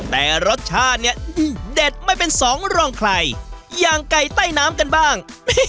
แต่รสชาติเนี่ยเด็ดไม่เป็นสองรองใครอย่างไก่ใต้น้ำกันบ้าง